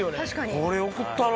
これ送ったろ。